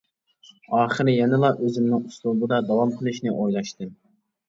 ئاخىرى يەنىلا ئۆزۈمنىڭ ئۇسلۇبىدا داۋام قىلىشنى ئويلاشتىم.